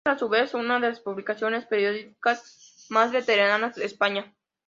Es, a su vez, una de las publicaciones periódicas más veteranas de España.